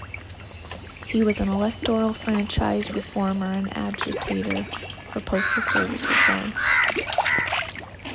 He was an electoral franchise reformer and agitator for postal service reform.